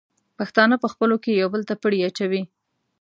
پښتانه په خپلو کې یو بل ته پړی اچوي.